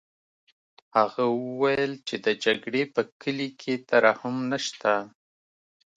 هغه وویل چې د جګړې په کلي کې ترحم نشته